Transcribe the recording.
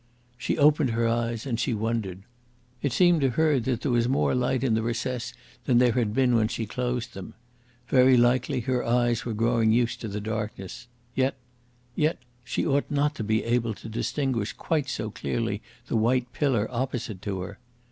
... She opened her eyes, and she wondered. It seemed to her that there was more light in the recess than there had been when she closed them. Very likely her eyes were growing used to the darkness. Yet yet she ought not to be able to distinguish quite so clearly the white pillar opposite to her.